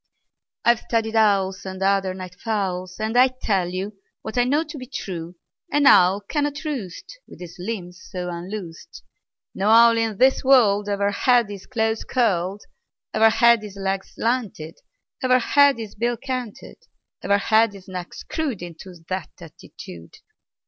"I've studied owls, And other night fowls, And I tell you What I know to be true: An owl cannot roost With his limbs so unloosed; No owl in this world Ever had his claws curled, Ever had his legs slanted, Ever had his bill canted, Ever had his neck screwed Into that attitude.